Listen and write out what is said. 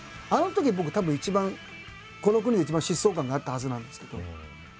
あのとき僕たぶん一番この国で一番疾走感があったはずなんですけど。